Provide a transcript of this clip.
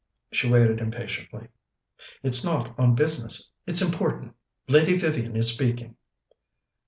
She waited impatiently. "It's not on business it's important. Lady Vivian is speaking."